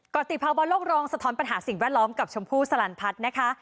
กรติภาวะโลกรองสะท้อนปัญหาสิ่งแวดล้อมกับชมพู่สลันพัฒน์นะคะ